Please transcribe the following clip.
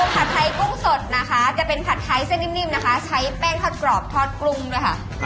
ผัดไทยกุ้งสดนะคะจะเป็นผัดไทยเส้นนิ่มนะคะใช้แป้งทอดกรอบทอดกุ้งด้วยค่ะ